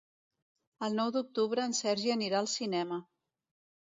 El nou d'octubre en Sergi anirà al cinema.